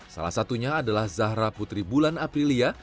salah satunya adalah zahra putri bulan aprilia